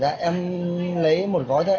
dạ em lấy một gói thôi